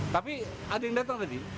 tapi ada yang datang tadi